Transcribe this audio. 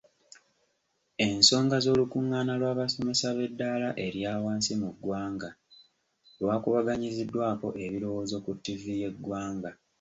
Ensonga z'olukungaana lw'abasomesa b'eddaala erya wansi mu ggwanga lwakubaganyiziddwako ebirowoozo ku ttivi y'eggwanga.